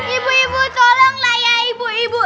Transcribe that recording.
ibu ibu tolonglah ya ibu ibu